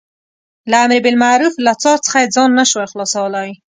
له امر بالمعروف له څار څخه یې ځان نه شوای خلاصولای.